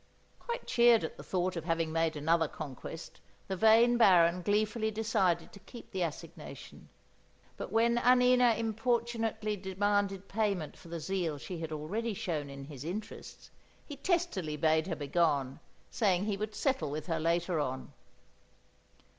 Quite cheered at the thought of having made another conquest, the vain Baron gleefully decided to keep the assignation; but when Annina importunately demanded payment for the zeal she had already shown in his interests, he testily bade her begone, saying he would settle with her later on.